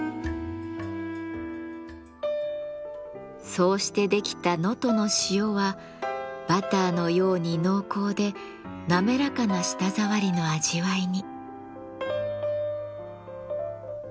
そうして出来た能登の塩はバターのように濃厚でなめらかな舌触りの味わいに。